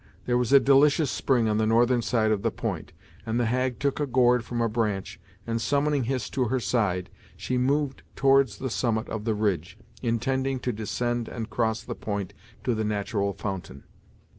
There was a delicious spring on the northern side of the point, and the hag took a gourd from a branch and, summoning Hist to her side, she moved towards the summit of the ridge, intending to descend and cross the point to the natural fountain.